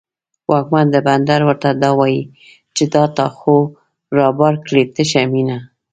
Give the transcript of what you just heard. واکمن د بندر ورته دا وايي، چې دا تا خو رابار کړې تشه مینه